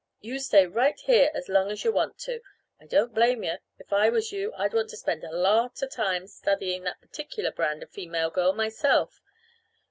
You stay right here as long as yuh want to. I don't blame yuh if I was you I'd want to spend a lot uh time studying this particular brand uh female girl myself.